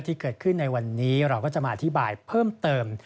ที่เกิดขึ้นในวันนี้เราก็จะมาอธิบายเพิ่มเติม